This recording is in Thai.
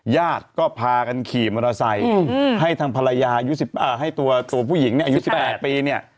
ญาติก็พากันขี่มอเตอร์ไซส์ให้ตัวผู้หญิง๑๘ปี